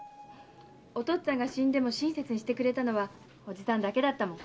お父っつぁんが死んでも親切にしてくれたのはおじさんだけだったもん。